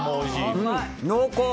濃厚！